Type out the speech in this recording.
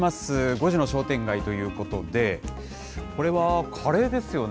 ５時の商店街ということで、これはカレーですよね。